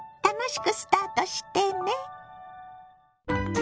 楽しくスタートしてね。